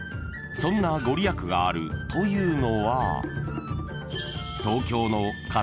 ［そんな御利益があるというのは］